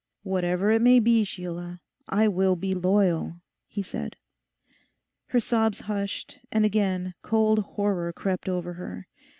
'Whatever it may be, Sheila, I will be loyal,' he said. Her sobs hushed, and again cold horror crept over her.